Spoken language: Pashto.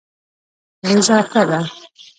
پوزه ښه ده.